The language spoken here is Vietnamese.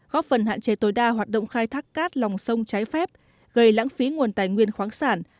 góp phần hạn chế tối đa hoạt động khai thác cát lòng sông trái phép gây lãng phí nguồn tài nguyên khoáng sản